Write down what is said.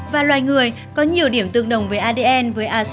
và loài người có nhiều điểm tương đồng với adn